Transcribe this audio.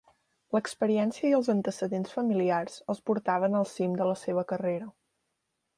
L'experiència i els antecedents familiars els portaven al cim de la seva carrera.